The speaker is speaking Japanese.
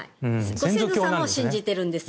ご先祖様を信じてるんです。